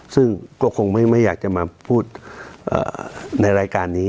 ซึ่งก็คงไม่อยากจะมาพูดในรายการนี้